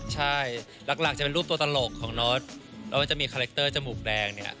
ใช่หลักจะเป็นรูปตัวตลกของน็อตนอสจะมีคาแรคเตอร์จมูกแดงเนี่ย